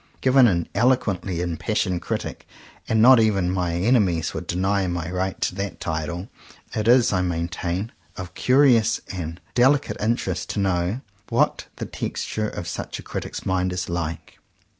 Given an eloquently impassioned critic, — and not even my enemies could deny my right to that title — it is, I maintain, of curious and delicate interest to know what the texture of such a critic's mind is like.